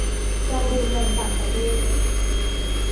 การดูงานต่างประเทศ